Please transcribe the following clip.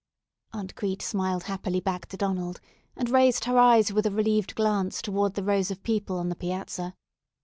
Aunt Crete smiled happily back to Donald, and raised her eyes with a relieved glance toward the rows of people on the piazza.